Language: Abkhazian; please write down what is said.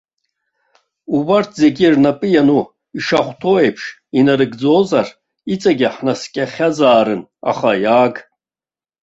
Убарҭ зегьы рнапы иану ишахәҭоу еиԥш инарыгӡозар, иҵегьы ҳнаскьахьазаарын, аха иааг!